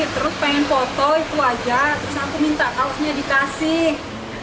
terus pengen foto itu aja terus aku minta kaosnya dikasih